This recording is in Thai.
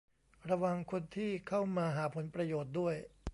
ระวังคนที่เข้ามาหาผลประโยชน์ด้วย